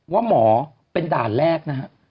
ว่าหมอเป็นด่านแรกนะฮะ